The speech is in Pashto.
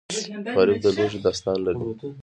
غریب د لوږې داستان لري